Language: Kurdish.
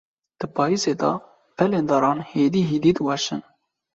Di payîzê de, pelên daran hêdî hêdî diweşin.